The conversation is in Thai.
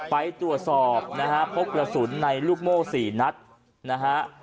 ไปตรวจสอบนะฮะพบกระสุนในลูกโม่๔นัดนะฮะ